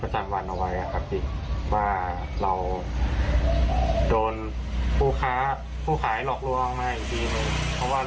เพราะว่าเราก็ได้ถามย้ำไปกับเขาแล้วว่าเป็นหมูล้วนใช่ไหม